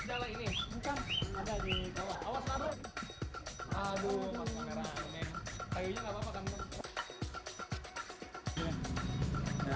aduh aduh aduh